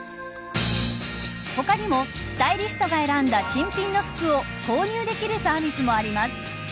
他にもスタイリストが選んだ新品の服を購入できるサービスもあります。